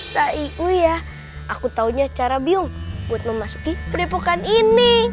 saiku ya aku taunya cara bingung buat memasuki kedepokan ini